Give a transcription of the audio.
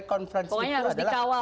pokoknya harus dikawal